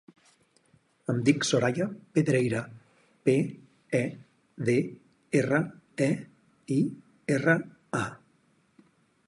Em dic Soraya Pedreira: pe, e, de, erra, e, i, erra, a.